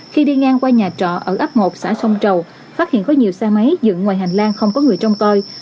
khi đi ngang qua nhà trọ ở ấp một xã sông trầu phát hiện có nhiều xe máy dựng ngoài hành lang không có người trông coi